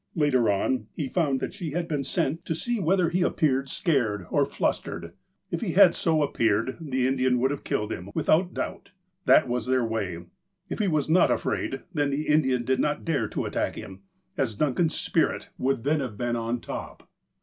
Later on, he found that she had been sent to see 140 THE APOSTLE OF ALASKA whether he appeared scared or flustered. If he had so appeared, the ludiau would have killed him, without doubt. That was their way. If he was not afraid, then the Indian did not dare to attack him, as Duncan's "spirit " would then have been on top.